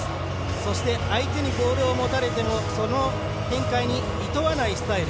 そして相手にボールを持たれてもその展開にいとわないスタイル